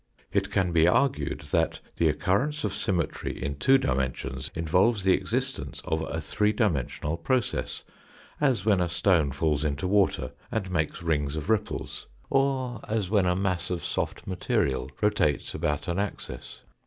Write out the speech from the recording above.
It can be argued that the occurrence of symmetry in two dimen sions involves the existence of a three dimensional process, as when a stone falls into water and makes rings of ripples, or as when a mass of soft material rotates about an axis.